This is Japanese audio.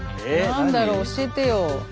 何だろ教えてよ。